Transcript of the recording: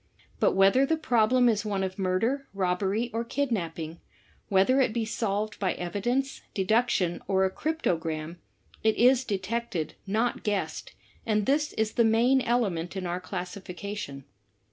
But whether the problem is one of murder, robbery or kidnapping, — whether it be solved by evidence, deduction or a |crTOtopranij it is detected, not guessed, and this is the main element in our classification.